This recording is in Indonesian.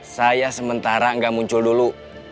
saya sementara enggak muncul dulu